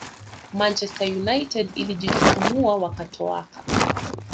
Manchester United ilijitutumua wakatoaka